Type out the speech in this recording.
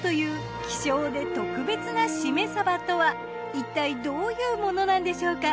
いったいどういうものなんでしょうか。